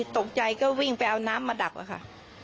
ตกใจก็วิ่งไปเอาน้ำมาดับอะค่ะ